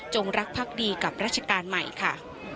รักพักดีกับราชการใหม่ค่ะ